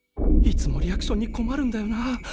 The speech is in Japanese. いつもリアクションに困るんだよな。